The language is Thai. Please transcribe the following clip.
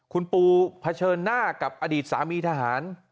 คุณปูเผชิญหน้ากับอดีตสามีทหาร